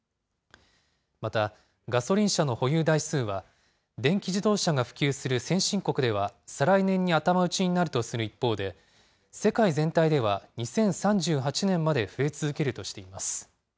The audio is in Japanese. また、ガソリン車の保有台数は、電気自動車が普及する先進国では、再来年に頭打ちになるとする一方で、世界全体では２０３８年まで増え続けるとしています。